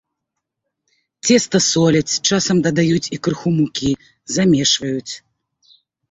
Цеста соляць, часам дадаюць і крыху мукі, замешваюць.